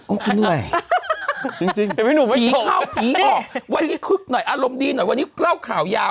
โอ้คุณหน่วยพีเข้าพีออกไว้คึกหน่อยอารมณ์ดีหน่อยวันนี้เล่าข่าวยาว